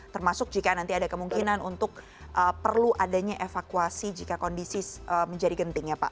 termasuk jika nanti ada kemungkinan untuk perlu adanya evakuasi jika kondisi menjadi genting ya pak